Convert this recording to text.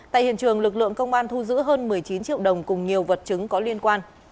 tại hiện trường lực lượng công an thu giữ hơn một mươi chín triệu đồng cùng nhiều vật chứng có liên quan